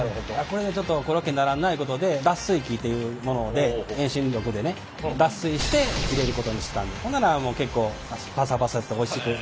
これじゃあちょっとコロッケにならんないうことで脱水機ていうもので遠心力でね脱水して入れることにしたほんならもう結構パサパサしておいしく。